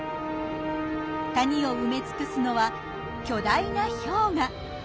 谷を埋め尽くすのは巨大な氷河。